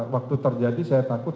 waktu terjadi saya takut